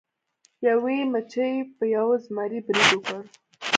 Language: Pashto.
یوې مچۍ په یو زمري برید وکړ.